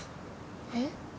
えっ？